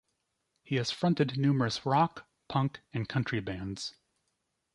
He has fronted numerous rock, punk and country bands.